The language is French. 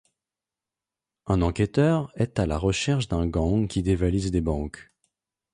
Un enquêteur est à la recherche d'un gang qui dévalise des banques.